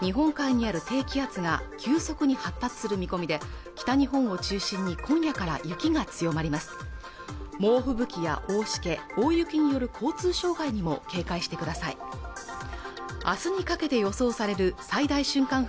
日本海にある低気圧が急速に発達する見込みで北日本を中心に今夜から雪が強まります猛吹雪や大しけ大雪による交通障害にも警戒してください明日にかけて予想される最大瞬間